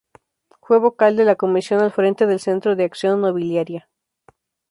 Fue vocal de la comisión al frente del Centro de Acción Nobiliaria.